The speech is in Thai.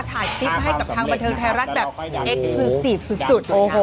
ถ่ายชีพให้กับทางบันเทิงไทยรักษณ์แบบเอกพิสิทธิ์สุดโอ้โห